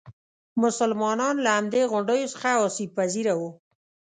مسلمانان له همدې غونډیو څخه آسیب پذیره وو.